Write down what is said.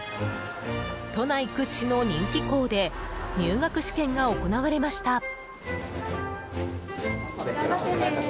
都内屈指の人気校で入学試験が行われました。